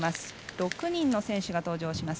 ６人の選手が登場します。